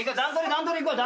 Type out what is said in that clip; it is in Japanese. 段取りいこう。